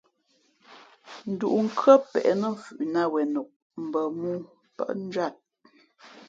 Ndǔʼ nkhʉ́ά pěʼ nά mfhʉʼnāt wenok, mbα mōō mbα njwíat.